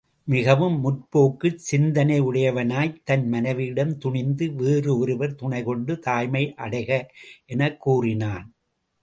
மிகவும் முற்போக்குச் சிந்தனையுடையவனாய்த் தன் மனைவியிடம் துணிந்து வேறு ஒருவர் துணை கொண்டு தாய்மை அடைக எனக் கூறினான்.